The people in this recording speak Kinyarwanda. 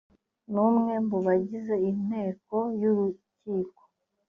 n umwe mu bagize inteko y urukiko